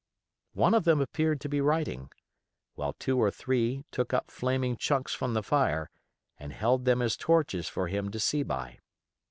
One of them appeared to be writing, while two or three took up flaming chunks from the fire and held them as torches for him to see by.